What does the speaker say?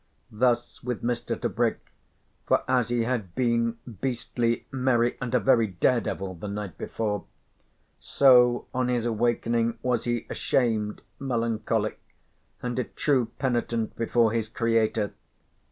Thus with Mr. Tebrick, for as he had been beastly, merry and a very dare devil the night before, so on his awakening was he ashamed, melancholic and a true penitent before his Creator.